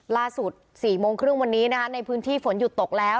๔โมงครึ่งวันนี้นะคะในพื้นที่ฝนหยุดตกแล้ว